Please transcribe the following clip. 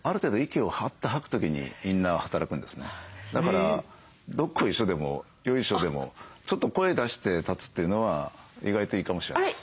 その意識の一つとしてだから「どっこいしょ」でも「よいしょ」でもちょっと声出して立つというのは意外といいかもしれないです。